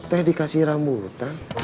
kok teh dikasih rambutan